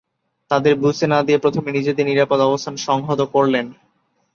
তাদের বুঝতে না দিয়ে প্রথমে নিজেদের নিরাপদ অবস্থান সংহত করলেন।